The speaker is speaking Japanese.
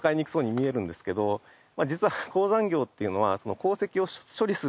実は鉱山業っていうのは。